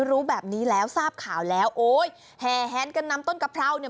รู้แบบนี้แล้วทราบข่าวแล้วโอ้ยแห่แฮนกันนำต้นกะเพราเนี่ย